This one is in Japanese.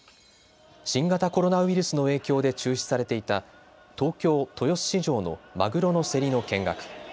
新型コロナウイルスの影響で中止されていた東京・豊洲市場のマグロの競りの見学。